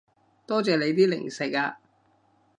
多謝你啲零食啊